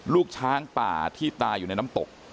ลูกช้างป่าที่ตายอยู่ในน้ำตก